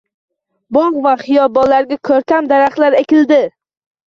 Bog‘ va xiyobonlarga ko'rkam daraxtlar ekildi.